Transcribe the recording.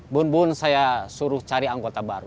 nah jadi saya suruh cari anggota baru